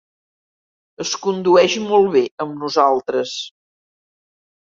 Es condueix molt bé amb nosaltres.